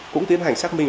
cũng tiến hành xác minh